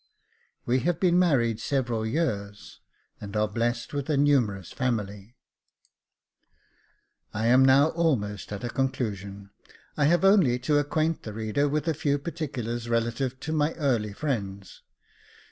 We have been married several years, and are blessed with a numerous family, I am now almost at a conclusion. I have only to acquaint the reader with a few particulars relative to my early friends.